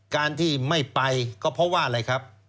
การที่ไม่ไปก็เพราะว่าอะไรครับ